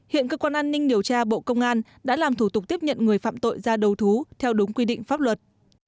hiện cơ quan an ninh điều tra bộ công an đã làm thủ tục tiếp nhận người phạm tội ra đầu thú theo đúng quy định pháp luật